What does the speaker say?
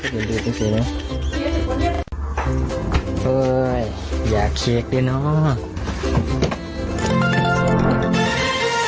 บึกมาเท่าไฟ